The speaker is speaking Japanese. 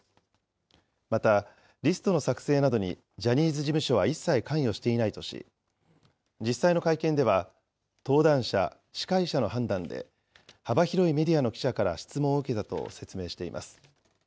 また、リストの作成などにジャニーズ事務所は一切関与していないとし、実際の会見では、登壇者、司会者の判断で、幅広いメディアの記者から質問を受けたと説明しています。